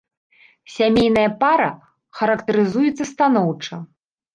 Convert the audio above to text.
Сямейная пара характарызуецца станоўча.